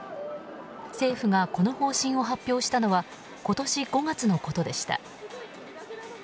政府がこの方針を発表したのは今年５月のことでした。